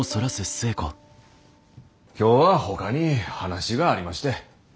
今日はほかに話がありまして。